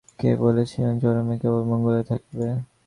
কেহ বলিতেছেন, চরমে কেবল মঙ্গলই থাকিবে।